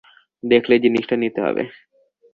দেখলেই জিনিসটা নিতে হবে।